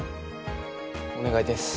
お願いです。